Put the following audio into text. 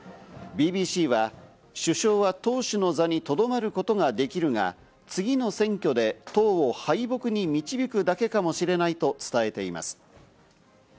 ＢＢＣは、首相は党首の座にとどまることができるが、次の選挙で党を敗北に導くだけかもしれないと伝えています。